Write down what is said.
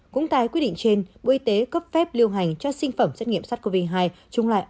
cũng tại quyết định trên bộ y tế cấp phép lưu hành cho sinh phẩm xét nghiệm sars cov hai trung lại